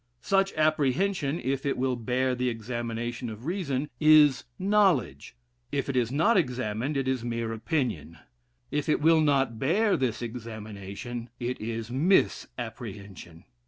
Such apprehension, if it will bear the examination of reason, is knowledge; if it is not examined, it is mere opinion; if it will not bear this examination, it is misapprehension.